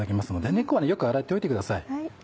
根っこはよく洗っておいてください。